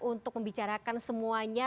untuk membicarakan semuanya